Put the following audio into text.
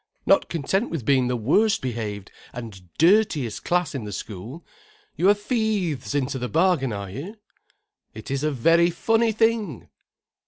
"Not content with being the worst behaved and dirtiest class in the school, you are thieves into the bargain, are you? It is a very funny thing!